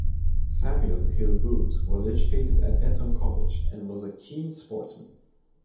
Samuel Hill Wood was educated at Eton College and was a keen sportsman.